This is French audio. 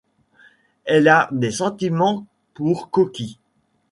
Elle a des sentiments pour Koki.